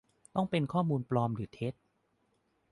- ต้องเป็นข้อมูลปลอมหรือเท็จ